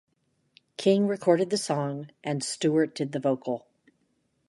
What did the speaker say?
King recorded the song and Stewart did the vocal.